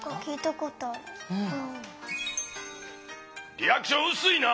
リアクションうすいな。